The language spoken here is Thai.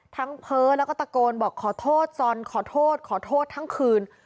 เพ้อแล้วก็ตะโกนบอกขอโทษซอนขอโทษขอโทษทั้งคืน